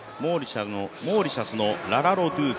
モーリシャスのララロドゥーズ。